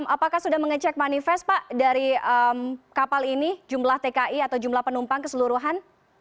apakah sudah mengecek manifest pak dari kapal ini jumlah tki atau jumlah penumpang keseluruhan